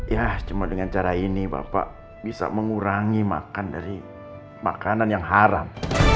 ya cuma dengan cara ini bapak bisa mengurangi makan dari makanan yang haram